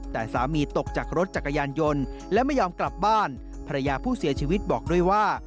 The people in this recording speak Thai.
แต่สามีตกจากรถจักรยานยนต์และไม่ยอมกลับบ้านภรรยาผู้เสียชีวิตบอกด้วยว่า